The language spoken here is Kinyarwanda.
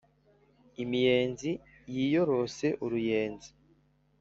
imiyenzi yiyorose uruyenzi